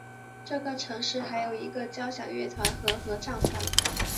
这个城市还有一个交响乐团和合唱团。